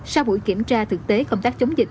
sau buổi kiểm tra thực tế công tác chống dịch